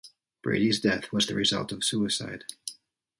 Brady's death was the result of suicide.